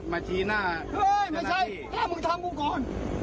ไม่ใช่พักมึงทำกูก่อน